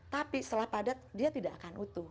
tapi setelah padat dia tidak akan utuh